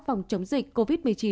phòng chống dịch covid một mươi chín